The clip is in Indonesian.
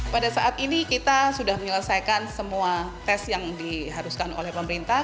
pada saat ini kita sudah menyelesaikan semua tes yang diharuskan oleh pemerintah